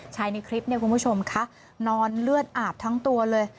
ในคลิปเนี่ยคุณผู้ชมคะนอนเลือดอาบทั้งตัวเลย